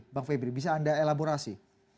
bang febri bisa anda elaborasi